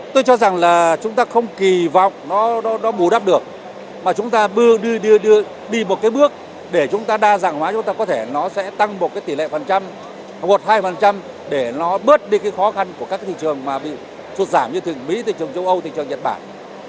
tôi cho rằng là chúng ta không kỳ vọng nó bù đắp được mà chúng ta đi một cái bước để chúng ta đa dạng hóa chúng ta có thể nó sẽ tăng một cái tỷ lệ phần trăm một mươi hai để nó bớt đi cái khó khăn của các thị trường mà bị sụt giảm như mỹ thị trường châu âu thị trường nhật bản